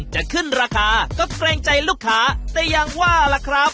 จะขึ้นราคาก็เกรงใจลูกค้าแต่ยังว่าล่ะครับ